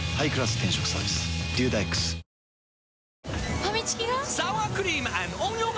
ファミチキが！？